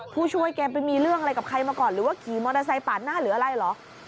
ผู้ช่วยแกไปมีเรื่องอะไรกับใครมาก่อนหรือว่าขี่มอเตอร์ไซค์ปาดหน้าหรืออะไรเหรอ